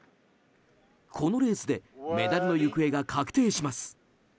このレースでメダルの行方が確定します。